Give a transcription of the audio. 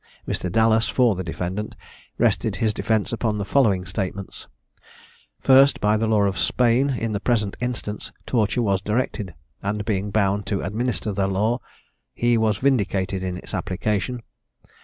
Mr. Dallas, for the defendant, rested his defence upon the following statements: First, By the law of Spain, in the present instance, torture was directed; and, being bound to administer that law, he was vindicated in its application.